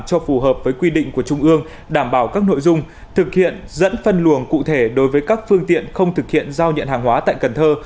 cho phù hợp với quy định của trung ương đảm bảo các nội dung thực hiện dẫn phân luồng cụ thể đối với các phương tiện không thực hiện giao nhận hàng hóa tại cần thơ